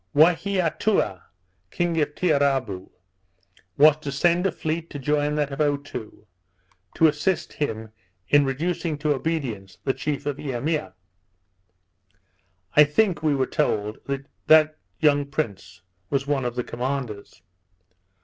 Waheatoua, king of Tiarabou, was to send a fleet to join that of Otoo, to assist him in reducing to obedience the chief of Eimea. I think, we were told, that young prince was one of the commanders.